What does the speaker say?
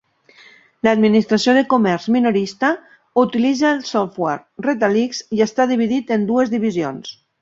L'administració de comerç minorista utilitza el software Retalix i està dividit en dues divisions.